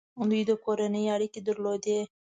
دوی د کورنۍ اړیکې درلودې.